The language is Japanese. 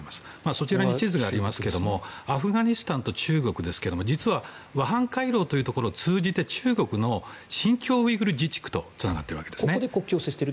そちらに地図がありますがアフガニスタンと中国は実は、ワハン回廊というところを通じて中国の新疆ウイグル自治区とつながってるわけですね。